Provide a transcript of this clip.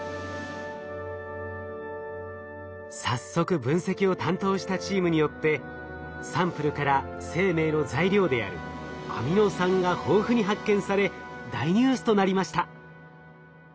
早速分析を担当したチームによってサンプルから生命の材料であるアミノ酸が豊富に発見され大ニュースとなりました。